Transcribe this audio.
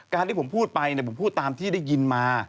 ที่ผมพูดไปผมพูดตามที่ได้ยินมา